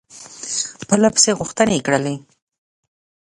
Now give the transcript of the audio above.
پرله پسې غوښتني کولې.